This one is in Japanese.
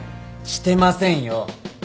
してませんよ！